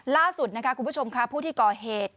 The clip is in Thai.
ล่าสุดนะคะคุณผู้ชมค่ะผู้ที่ก่อเหตุ